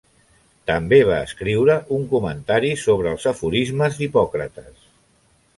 També va escriure un comentari sobre els aforismes d'Hipòcrates.